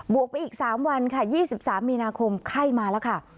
วกไปอีก๓วันค่ะ๒๓มีนาคมไข้มาแล้วค่ะ